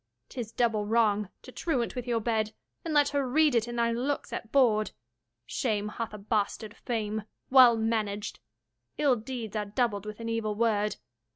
'Tis double wrong, to truant with your bed, And let her read it in thy looks at board: Shame hath a bastard fame, well managed; Ill deeds are doubled with an evil word.